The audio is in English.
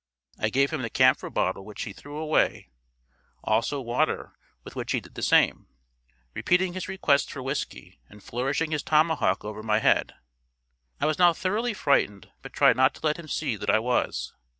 I gave him the camphor bottle which he threw away; also water, with which he did the same, repeating his request for whiskey and flourishing his tomahawk over my head. I was now thoroughly frightened but tried not to let him see that I was.